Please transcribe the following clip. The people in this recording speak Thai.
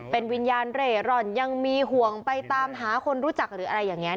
เป็นวิญญาณเร่ร่อนยังมีห่วงไปตามหาคนรู้จักหรืออะไรอย่างนี้